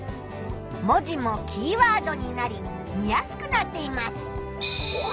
文字もキーワードになり見やすくなっています。